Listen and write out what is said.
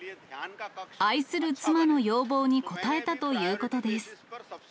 愛する妻の要望に応えたということです。